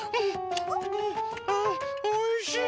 おいしい！